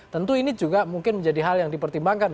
tentu ini juga mungkin menjadi hal yang dipertimbangkan